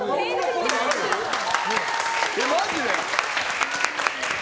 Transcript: マジで！